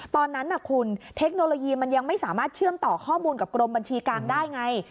ตอนนั้นคุณเทคโนโลยีมันยังไม่สามารถเชื่อมต่อข้อมูลกับกรมบัญชีกลางได้ไง